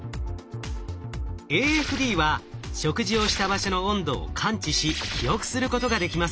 ＡＦＤは食事をした場所の温度を感知し記憶することができます。